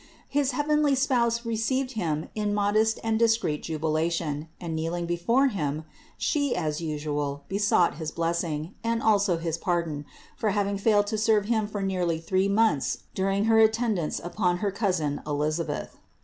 His heavenly Spouse received him in modest and discreet jubilation, and, kneeling before him, She, as usual, besought his blessing, and also his pardon, for having failed to serve him for nearly three months during her attendance upon her cousin Elisabeth.